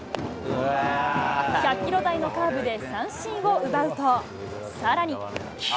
１００キロ台のカーブで三振を奪うと、さらに。